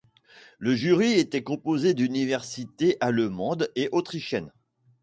Le jury était composé d'universités allemandes et autrichiennes.